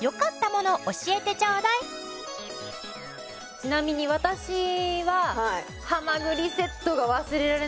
ちなみに私は。